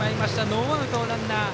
ノーアウトのランナー。